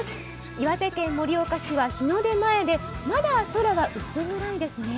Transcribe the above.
岩手県盛岡市は日の出前で、まだ空は薄暗いですね